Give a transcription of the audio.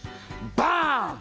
バーン！